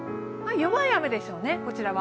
弱い雨でしょうね、こちらは。